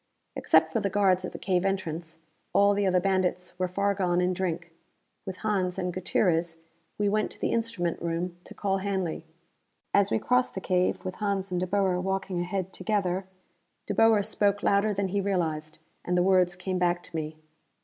Except for the guards at the cave entrance, all the other bandits were far gone in drink. With Hans and Gutierrez, we went to the instrument room to call Hanley. As we crossed the cave, with Hans and De Boer walking ahead together, De Boer spoke louder than he realized, and the words came back to me.